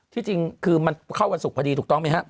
ที่จริงคือมันเข้าวันศุกร์พอดีถูกต้องไหมครับ